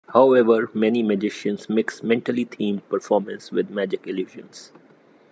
However, many magicians mix mentally-themed performance with magic illusions.